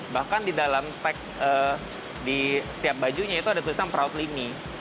bahkan di dalam tag di setiap bajunya itu ada tulisan proudly me